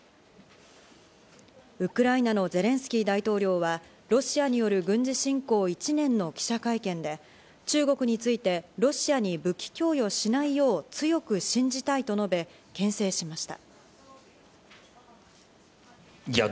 ウクライナのゼレンスキー大統領はロシアによる軍事侵攻１年の記者会見で、中国について、ロシアに武器供与をしないよう強く信じたいと述べ、けん制しました。